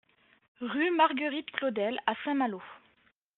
Rue Marguerite Claudel à Saint-Malo